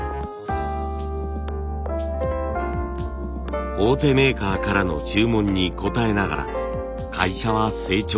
こちらは大手メーカーからの注文に応えながら会社は成長。